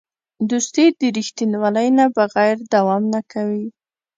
دوستي د رښتینولۍ نه بغیر دوام نه کوي.